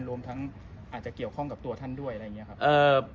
รวมทั้งอาจจะเกี่ยวข้องกับตัวท่านด้วยอะไรอย่างนี้ครับ